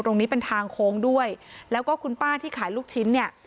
ตรงนี้เป็นทางโค้งด้วยแล้วก็คุณป้าที่ขายลูกชิ้นเนี่ย